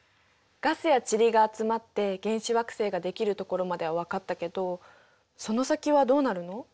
ガスや塵が集まって原始惑星ができるところまでは分かったけどその先はどうなるの？